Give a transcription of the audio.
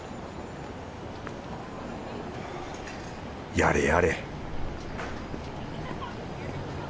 やれやれ